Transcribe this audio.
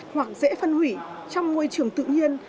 hoặc dễ phân hủy trong môi trường tự nhiên